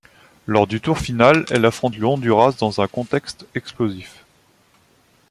Lors du tour final elle affronte le Honduras dans un contexte explosif.